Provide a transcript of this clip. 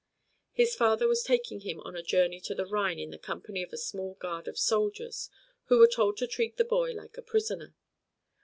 His father was taking him on a journey to the Rhine in the company of a small guard of soldiers who were told to treat the boy like a prisoner.